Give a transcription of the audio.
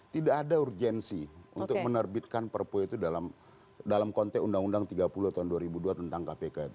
tidak ada urgensi untuk menerbitkan perpu itu dalam konteks undang undang tiga puluh tahun dua ribu dua tentang kpk itu